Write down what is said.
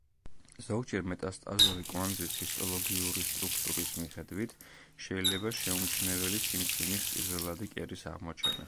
ზოგჯერ მეტასტაზური კვანძის ჰისტოლოგიური სტრუქტურის მიხედვით შეიძლება შეუმჩნეველი სიმსივნის პირველადი კერის აღმოჩენა.